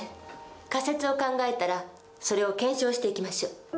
仮説を考えたらそれを検証していきましょう。